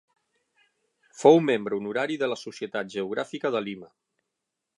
Fou membre honorari de la Societat Geogràfica de Lima.